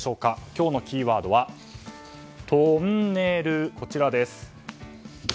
今日のキーワードはトンネルです。